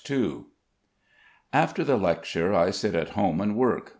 II After the lecture I sit at home and work.